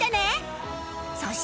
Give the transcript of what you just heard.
そして